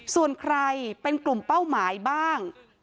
ส่วนใครเป็นกลุ่มเป้าหมายบ้าง